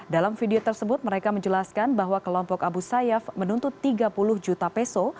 dalam video tersebut mereka menjelaskan bahwa kelompok abu sayyaf menuntut tiga puluh juta peso